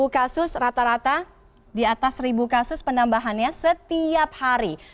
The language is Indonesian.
satu kasus rata rata di atas satu kasus penambahannya setiap hari